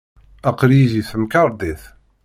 Aql-iyi deg temkarḍit.